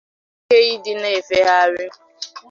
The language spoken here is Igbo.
ma nwekwa ike ịdị na-efegharị